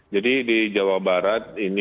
jadi di jawa barat ini